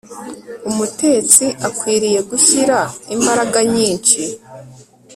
Umutetsi akwiriye gushyira imbaraga nyinshi